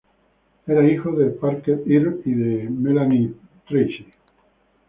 Era hijo de Parker Earle y de Melanie Tracy.